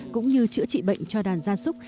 cũng như chữa trị bệnh cho đàn gia súc